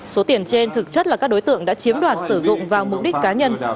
số tiền trên thực chất là các đối tượng đã chiếm đoạt sử dụng vào mục đích cá nhân